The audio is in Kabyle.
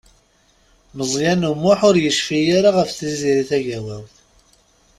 Meẓyan U Muḥ ur yecfi ara ɣef Tiziri Tagawawt.